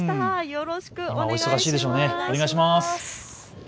よろしくお願いします。